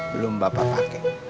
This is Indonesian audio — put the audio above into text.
belum bapak pake